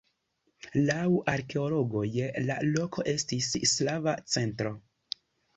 Laŭ arkeologoj la loko estis slava centro.